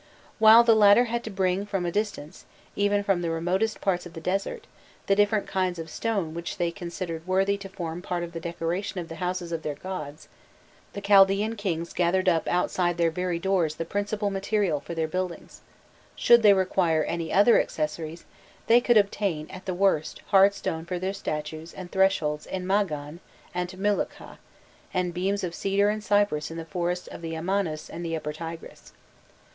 While the latter had to bring from a distance, even from the remotest parts of the desert, the different kinds of stone which they considered worthy to form part of the decoration of the houses of their gods, the Chaldaean kings gathered up outside their very doors the principal material for their buildings: should they require any other accessories, they could obtain, at the worst, hard stone for their statues and thresholds in Magan and Milukhkha, and beams of cedar and cypress in the forests of the Amanus and the Upper Tigris.